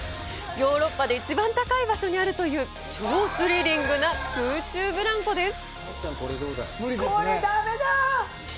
ヨーロッパで一番高い場所にあるという超スリリングな空中ブランコです！